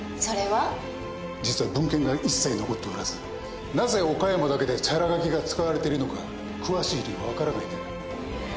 実は文献が一切残っておらずなぜ岡山だけでチャラ書きが使われてるのか詳しい理由は分からないんだよ。